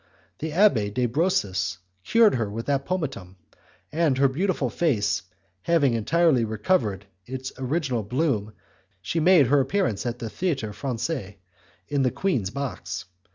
The Abbé de Brosses cured her with that pomatum, and her beautiful face having entirely recovered it original bloom she made her appearance at the Theatre Francais, in the queen's box.